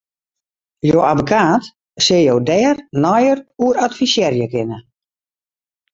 Jo abbekaat sil jo dêr neier oer advisearje kinne.